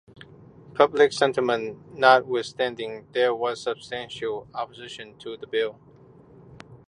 Public sentiment notwithstanding, there was substantial opposition to the Bill.